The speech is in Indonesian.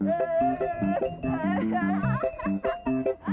aku akan ia